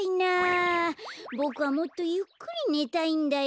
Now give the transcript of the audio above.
ボクはもっとゆっくりねたいんだよ。